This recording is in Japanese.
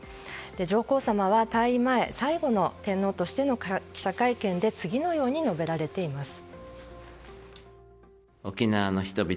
上皇さまは退位前最後の天皇としての記者会見で次のように述べられています。